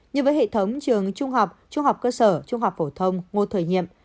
như với hệ thống trường trung học trung học cơ sở trung học phổ thông ngô thời nhiệm